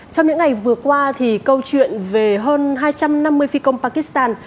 trong những ngày vừa qua câu chuyện về hơn hai trăm năm mươi phi công pakistan